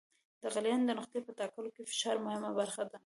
د غلیان د نقطې په ټاکلو کې فشار مهمه برخه لري.